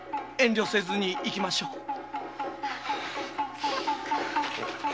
遠慮せずに行きましょう。